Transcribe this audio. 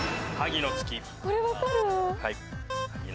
これ分かる？